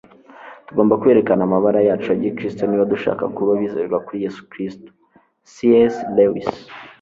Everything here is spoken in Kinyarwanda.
tugomba kwerekana amabara yacu ya gikristo niba dushaka kuba abizerwa kuri yesu kristo - c s lewis